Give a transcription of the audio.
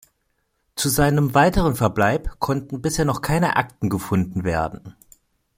Zu seinem weiteren Verbleib konnten bisher noch keine Akten gefunden werden.